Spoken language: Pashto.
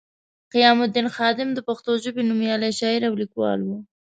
قیام الدین خادم د پښتو ژبې نومیالی شاعر او لیکوال وو